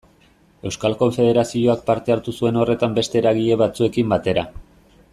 Euskal Konfederazioak parte hartu zuen horretan beste eragile batzuekin batera.